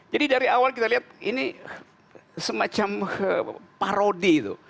jadi dari awal kita lihat ini semacam parodi